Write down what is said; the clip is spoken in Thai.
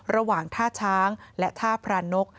ระหว่างท่าช้างและท่าพระนก